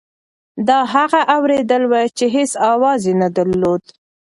دا هغه اورېدل وو چې هېڅ اواز یې نه درلود.